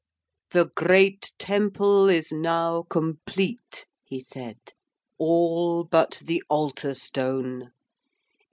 'The great temple is now complete,' he said, 'all but the altar stone.